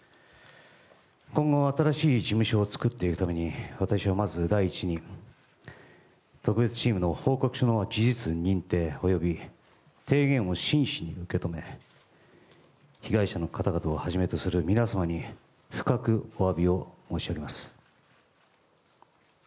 今後は新しい事務所を作っていくために私はまず第一に特別チームの報告書の事実認定及び提言を真摯に受け止め被害者の方々をはじめとする皆様に深くお詫びを申し上げます。